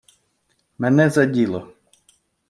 Мене за діло.